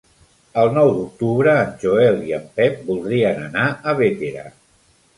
El nou d'octubre en Joel i en Pep voldrien anar a Bétera.